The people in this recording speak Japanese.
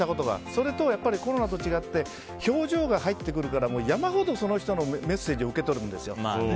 それと、コロナと違って表情が入ってくるから山ほど、その人のメッセージを受け取るんですよ。